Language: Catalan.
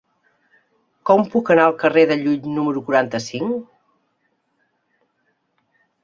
Com puc anar al carrer de Llull número quaranta-cinc?